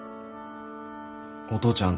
お父ちゃん